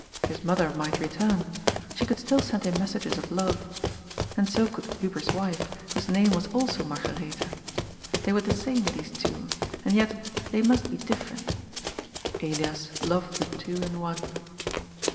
His mother might return. She could still send him messages of love. And so could Hubert's wife, whose name was also Marga retha. They were the same, these two, and yet they must be different. Elias loyed the two in one.